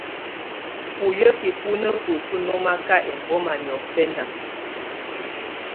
Buyǝ́ki bù na bǝsu nɔmaka ɛmbɔma niɔ̀fɛna.